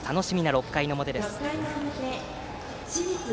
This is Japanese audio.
６回表です。